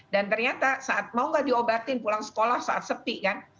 dan ternyata saat mau nggak diobatin pulang sekolah saat sepi kan